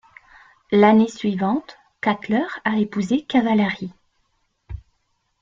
L'année suivante, Cutler a épousé Cavallari.